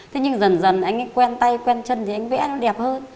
thế nhưng dần dần anh ấy quen tay quen chân thì anh vẽ anh đẹp hơn